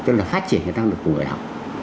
tức là phát triển cái tác lực của người học